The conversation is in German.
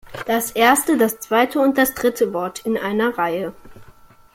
Das erste, das zweite und das dritte Wort in einer Reihe.